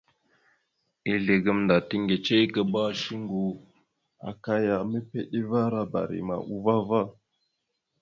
Ezle gamənda tiŋgəcekaba shuŋgo aka ya mepeɗevara barima uvah ava.